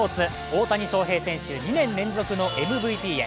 大谷翔平選手、２年連続のＭＶＰへ。